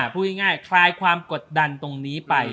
พูดง่ายคลายความกดดันตรงนี้ไป